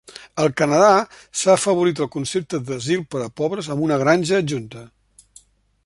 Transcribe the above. Al Canadà, s'ha afavorit el concepte d'asil per a pobres amb una granja adjunta.